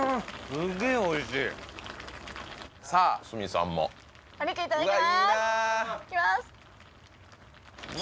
すげえおいしいさあ鷲見さんもお肉いただきますうわ